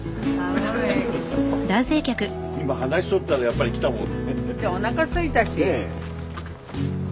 今話しとったでやっぱり来たもん。